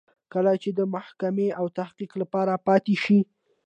کله چې د محاکمې او تحقیق لپاره پاتې شي.